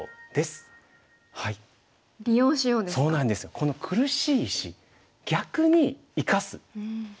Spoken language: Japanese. この苦しい石逆に生かす。